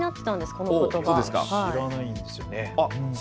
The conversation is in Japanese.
このことば、知らないんですよね。